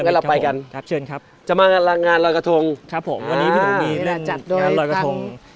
งั้นเราไปกันครับเชิญครับจะมางานรอยกระทงครับผมวันนี้พี่หนุ่มมีเรื่องจัดงานรอยกระทง